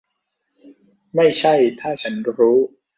ไม่ใช่ถ้าฉันรู้ !